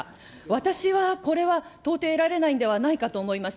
私はこれは、とうてい得られないんではかと思います。